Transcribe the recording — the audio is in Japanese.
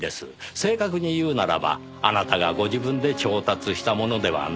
正確に言うならばあなたがご自分で調達したものではない。